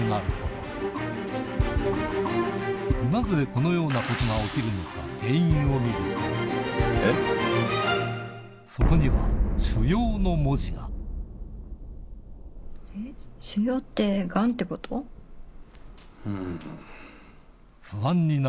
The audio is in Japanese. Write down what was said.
このようなことが起きるのか原因を見るとそこには「腫瘍」の文字がうん。